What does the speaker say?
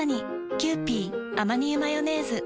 「キユーピーアマニ油マヨネーズ」